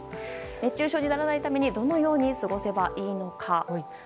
熱中症にならないためにどのように過ごせばいいのか。